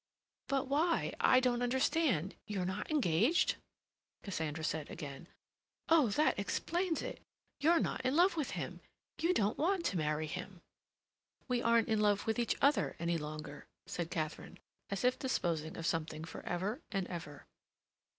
"But why—I don't understand—you're not engaged!" Cassandra said again. "Oh, that explains it! You're not in love with him! You don't want to marry him!" "We aren't in love with each other any longer," said Katharine, as if disposing of something for ever and ever.